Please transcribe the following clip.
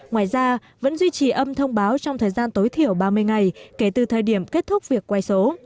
ngoài ra vẫn duy trì âm thông báo trong thời gian tối thiểu ba mươi ngày kể từ thời điểm kết thúc việc quay số